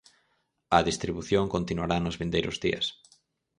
A distribución continuará nos vindeiros días.